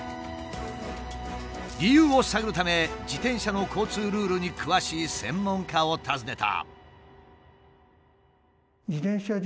理由を探るため自転車の交通ルールに詳しい専門家を訪ねた。